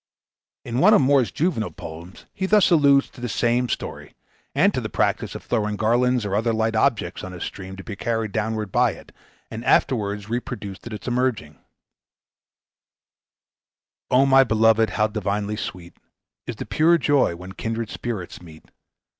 In one of Moore's juvenile poems he thus alludes to the same story, and to the practice of throwing garlands or other light objects on his stream to be carried downward by it, and afterwards reproduced at its emerging: "O my beloved, how divinely sweet Is the pure joy when kindred spirits meet!